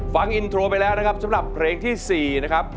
ฟังอินโทรไปแล้วนะครับสำหรับเพลงที่๔นะครับ